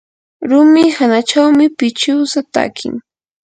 rumi hanachawmi pichiwsa takin.